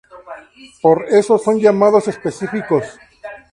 Por eso son llamados específicos.